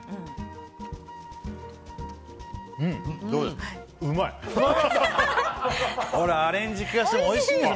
うまい！